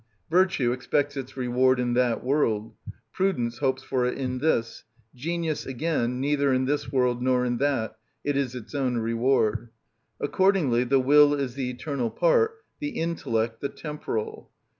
Virtue expects its reward in that world; prudence hopes for it in this; genius, again, neither in this world nor in that; it is its own reward. Accordingly the will is the eternal part, the intellect the temporal.